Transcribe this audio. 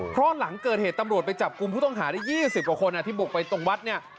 เพราะหลังเกิดเหตุตำรวจไปจับกลุ่มผู้ต้องหาได้๒๐กว่าคนที่บุกไปตรงวัดเนี่ย